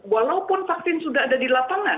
walaupun vaksin sudah ada di lapangan